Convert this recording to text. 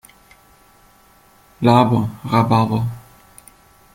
Laber Rhabarber!